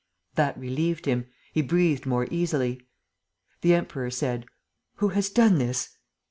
That relieved him. He breathed more easily. The Emperor said: "Who has done this?"